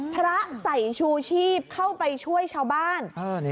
พระใส่ชูชีพเข้าไปช่วยชาวบ้าน